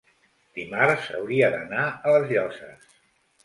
dimarts hauria d'anar a les Llosses.